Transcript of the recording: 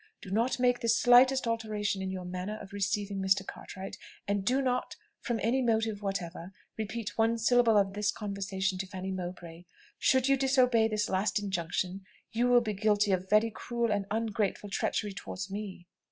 Do not make the slightest alteration in your manner of receiving Mr. Cartwright; and do not, from any motive whatever, repeat one syllable of this conversation to Fanny Mowbray. Should you disobey this last injunction, you will be guilty of very cruel and ungrateful treachery towards me."